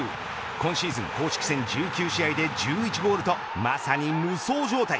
今シーズン公式１９試合で１１ゴールとまさに無双状態。